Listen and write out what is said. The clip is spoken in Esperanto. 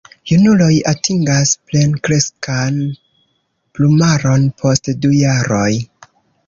Junuloj atingas plenkreskan plumaron post du jaroj.